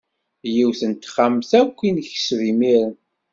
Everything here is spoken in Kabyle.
Yiwet n texxamt akk i nekseb imiren.